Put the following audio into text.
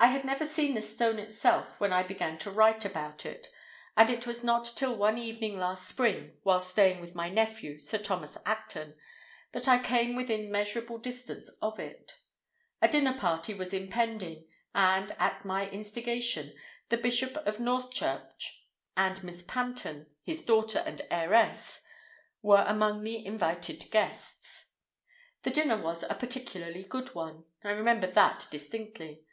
I had never seen the stone itself when I began to write about it, and it was not till one evening last spring, while staying with my nephew, Sir Thomas Acton, that I came within measurable distance of it. A dinner party was impending, and, at my instigation, the Bishop of Northchurch and Miss Panton, his daughter and heiress, were among the invited guests. The dinner was a particularly good one, I remember that distinctly.